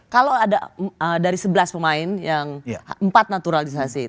kalau ada dari sebelas pemain yang empat naturalisasi